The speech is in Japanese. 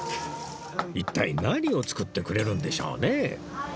一体何を作ってくれるんでしょうね？